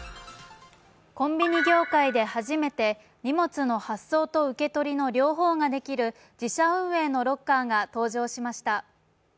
コンビニ業界で初めて荷物の発送と受け取りの両方ができる自社運営のロッカーが誕生しました。